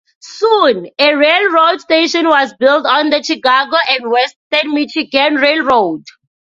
Soon, a railroad station was built on the Chicago and Western Michigan Railroad.